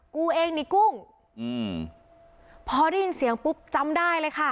กูเองนี่กุ้งอืมพอได้ยินเสียงปุ๊บจำได้เลยค่ะ